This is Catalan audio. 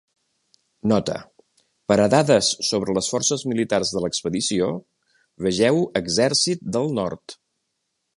Nota: per a dades sobre les forces militars de l'expedició, vegeu Exèrcit del Nord.